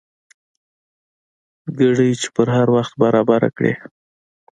ګړۍ چې پر هر وخت برابر کړې.